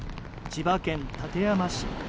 千葉県館山市。